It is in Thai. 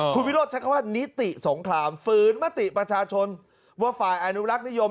คุณวิโรธจะเข้าว่านิติสงครามฟื้นมติประชาชนวัฒน์อนุรักษณิยม